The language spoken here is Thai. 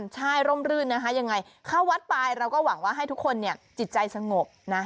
ใช่ร่มรื่นนะคะยังไงเข้าวัดไปเราก็หวังว่าให้ทุกคนจิตใจสงบนะ